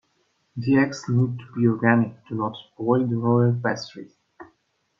The eggs need to be organic to not spoil the royal pastries.